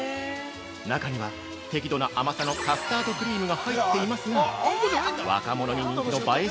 中には、適度な甘さのカスタードクリームが入っていますが、若者に人気の映え